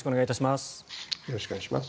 よろしくお願いします。